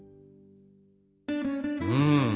うん。